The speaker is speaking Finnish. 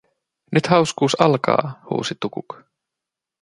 "Nyt hauskuus alkaa!", huusi Tukuk.